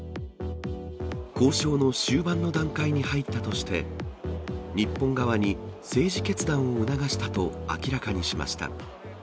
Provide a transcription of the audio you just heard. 交渉の終盤の段階に入ったとして、日本側に政治決断を促したと明らかにしました。